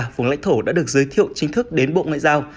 vùng lãnh thổ đã được giới thiệu chính thức đến bộ ngoại giao